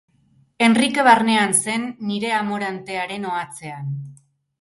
Henrike barnean zen, nire amorantearen ohatzean.